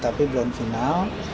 tapi belum final